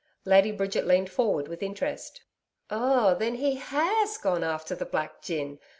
Lady Bridget leaned forward with interest. 'Oh! Then he HAS gone after the black gin.